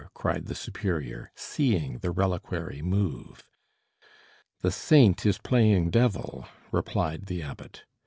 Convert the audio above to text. cried the superior, seeing the reliquary move. "The saint is playing devil!" replied the Abbot.